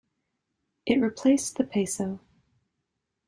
It replaced the peso.